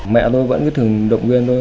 mẹ tôi vẫn thường động viên tôi